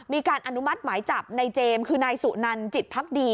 มีการอนุมัติหมายจับในเจมส์คือนายสุนันจิตภักดี